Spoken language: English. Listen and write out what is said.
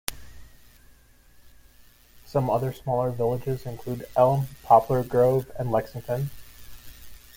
Some other smaller villages include Elm, Poplar Grove and Lexington.